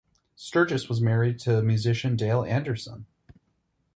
Sturgess was married to musician Dale Anderson.